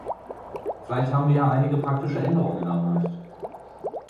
Vielleicht haben wir ja einige praktische Änderungen erreicht.